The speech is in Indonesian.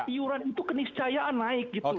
iuran itu keniscayaan naik gitu